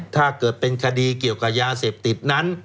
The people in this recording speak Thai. ถ้าเกิดเป็นคดีเกี่ยวกับยาเสพติดนั้น